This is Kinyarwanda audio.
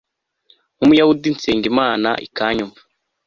Nkumuyahudi nsenga Imana ikanyumva